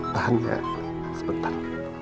tahan ya sebentar